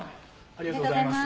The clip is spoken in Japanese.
ありがとうございます。